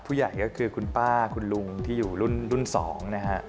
ผู้ใหญ่ก็คือคุณป้าคุณลุงที่อยู่รุ่น๒นะฮะ